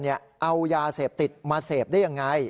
เอายาเสพติดมาเสพได้ยังไง